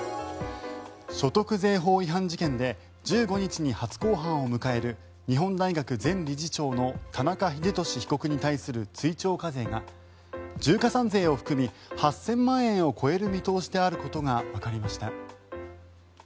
所得税法違反事件で１５日に初公判を迎える日本大学前理事長の田中英寿被告に対する追徴課税が重加算税を含み８０００万円を超える見通しであることがわかりました。